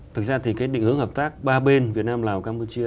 thực ra thì cái định hướng hợp tác ba bên việt nam lào campuchia